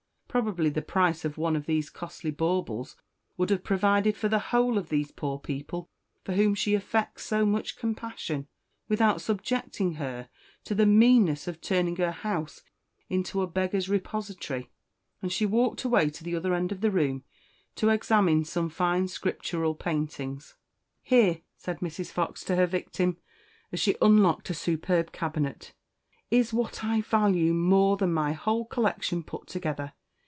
Probably the price of one of these costly baubles would have provided for the whole of these poor people for whom she affects so much compassion, without subjecting her to the meanness of turning her house into a beggar's repository." And she walked away to the other end of the room to examine some fine scriptural paintings. "Here," said Mrs. Fox to her victim, as she unlocked a superb cabinet, "is what I value more than my whole collection put together.